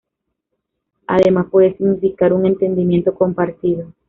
Además puede significar un entendimiento compartido.